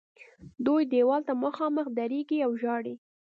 دوی دیوال ته مخامخ درېږي او ژاړي.